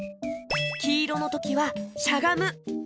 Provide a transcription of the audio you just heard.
きいろのときはしゃがむ。